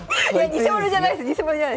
偽者じゃないです。